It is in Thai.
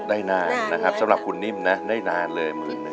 ได้นานนะครับสำหรับคุณนิ่มนะได้นานเลยหมื่นหนึ่ง